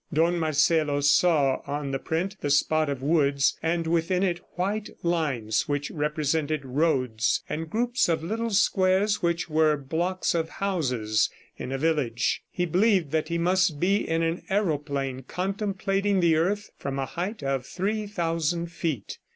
Don Marcelo saw on the print the spot of woods, and within it white lines which represented roads, and groups of little squares which were blocks of houses in a village. He believed he must be in an aeroplane contemplating the earth from a height of three thousand feet.